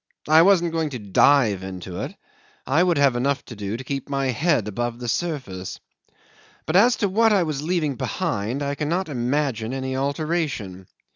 I wasn't going to dive into it; I would have enough to do to keep my head above the surface. But as to what I was leaving behind, I cannot imagine any alteration.